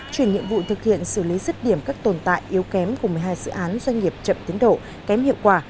chuyển nhiệm vụ thực hiện xử lý dứt điểm các tồn tại yếu kém của một mươi hai dự án doanh nghiệp chậm tiến độ kém hiệu quả